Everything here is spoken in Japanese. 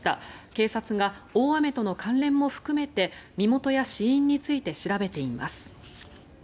警察が大雨との関連も含めて身元や死因について調べています。